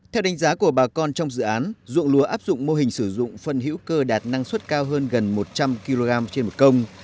theo đánh giá của bà con trong dự án ruộng lúa áp dụng mô hình sử dụng phân hữu cơ đạt năng suất cao hơn gần một trăm linh kg trên một công